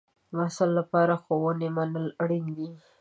د محصل لپاره د ښوونې منل اړین دی.